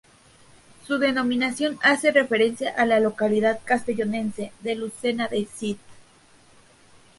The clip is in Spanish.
Su denominación hace referencia a la localidad castellonense de "Lucena del Cid".